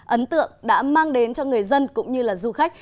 ấn tượng đã mang đến cho người dân cũng như là du khách